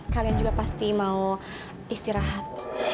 kalian juga pasti mau istirahat